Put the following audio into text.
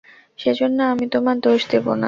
সেজন্য আমি তোমার দোষ দেবো না।